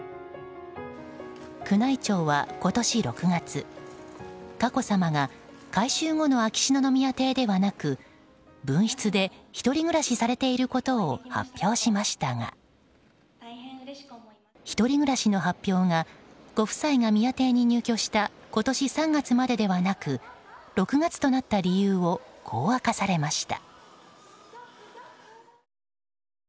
宮内庁は今年６月、佳子さまが改修後の秋篠宮邸ではなく分室で１人暮らしされていることを発表しましたが１人暮らしの発表がご夫妻が宮邸に入居した今年３月までではなく６月となった理由をこう明かされました。